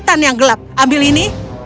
hutan yang gelap ambil ini